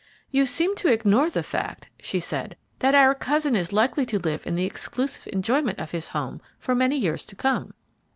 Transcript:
"You seem to ignore the fact," she said, "that our cousin is likely to live in the exclusive enjoyment of his home for many years to come."